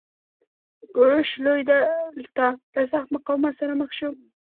کوروش لوی دلته له سخت مقاومت سره مخ شو